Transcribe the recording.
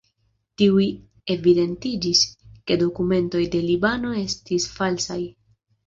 Tuj evidentiĝis, ke dokumentoj de Libano estis falsaj.